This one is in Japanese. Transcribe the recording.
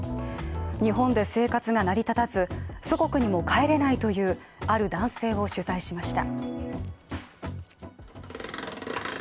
日本で生活が成り立たず、祖国にも帰れないという、ある男性を取材しました。